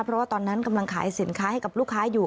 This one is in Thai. เพราะว่าตอนนั้นกำลังขายสินค้าให้กับลูกค้าอยู่